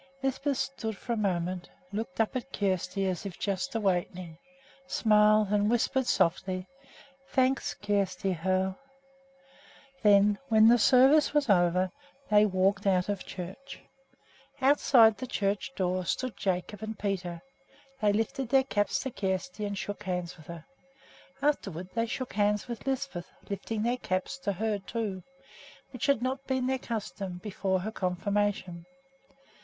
Lisbeth stood a moment, looked up at Kjersti as if just awakening, smiled, and whispered softly, "Thanks, Kjersti Hoel." Then, when the service was over, they walked out of church. Outside the church door stood Jacob and Peter. They lifted their caps to Kjersti and shook hands with her. Afterward they shook hands with Lisbeth, lifting their caps to her, too, which had not been their custom before her confirmation.